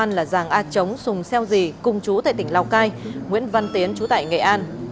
công an là giàng a chống sùng xeo dì cùng chú tại tỉnh lào cai nguyễn văn tiến chú tại nghệ an